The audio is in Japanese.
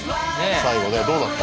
最後ねどうなった？